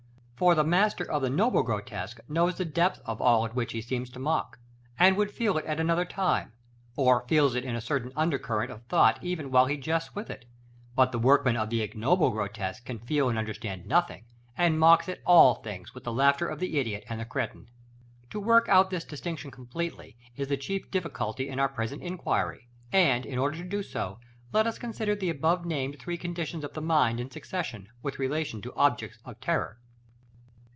For the master of the noble grotesque knows the depth of all at which he seems to mock, and would feel it at another time, or feels it in a certain undercurrent of thought even while he jests with it; but the workman of the ignoble grotesque can feel and understand nothing, and mocks at all things with the laughter of the idiot and the cretin. To work out this distinction completely is the chief difficulty in our present inquiry; and, in order to do so, let us consider the above named three conditions of mind in succession, with relation to objects of terror.